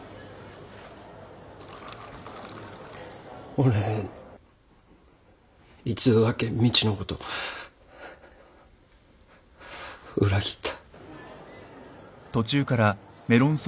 俺一度だけみちのこと裏切った